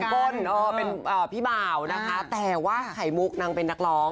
ก้นเป็นพี่บ่าวนะคะแต่ว่าไข่มุกนางเป็นนักร้อง